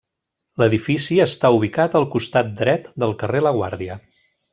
L'edifici està ubicat al costat dret del carrer La Guàrdia.